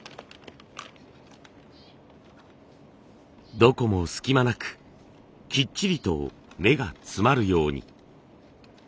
どこも隙間なくきっちりと目が詰まるように。